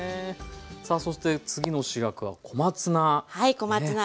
さあそして次の主役は小松菜。